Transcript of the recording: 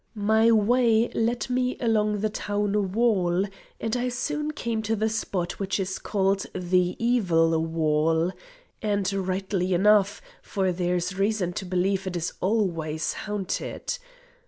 My way led me along the town wall, and I soon came to the spot which is called the "evil wall," and rightly enough, for there is reason to believe it is always haunted.